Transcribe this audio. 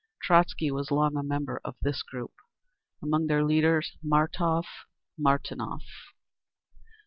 Trotzky was long a member of this group. Among their leaders: Martov, Martinov.